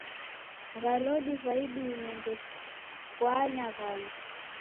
W'alodi wa idime niw'ekwanya w'andu.